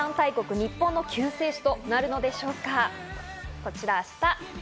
日本の救世主となるのでしょうか。